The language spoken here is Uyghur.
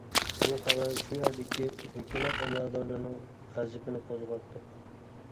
بۇ خەۋەر شۇ يەردىكى ھۆكۈمەت ئەمەلدارلىرىنىڭ غەزىپىنى قوزغاپتۇ.